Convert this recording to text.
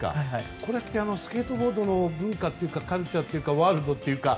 これってスケートボードの文化というかカルチャーというかワールドというか。